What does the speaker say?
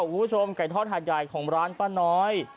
คุณผู้ชมไก่ทอดหาดใหญ่ของร้านป้าน้อย